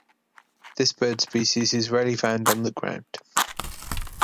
This bird species is rarely found on the ground.